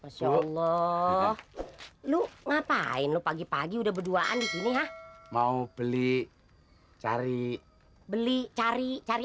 masya allah lo ngapain lo pagi pagi udah berduaan di sini ya mau beli cari beli cari cari